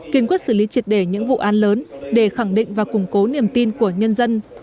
kiên quyết xử lý triệt đề những vụ an lớn để khẳng định và củng cố niềm tin của nhân dân